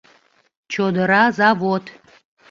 ЧОДЫРА ЗАВОД